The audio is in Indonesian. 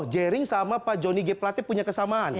jering sama pak johnny g platip punya kesamaan